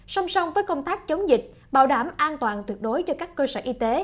song song với công tác chống dịch bảo đảm an toàn tuyệt đối cho các cơ sở y tế